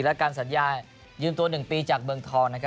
และการสัญญายืมตัว๑ปีจากเมืองทองนะครับ